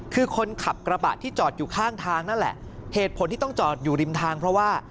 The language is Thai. คือคนขับกระบะที่จอดอยู่ข้างทางนั่นแหละเหตุผลที่ต้องจอดอยู่ริมทางเพราะว่า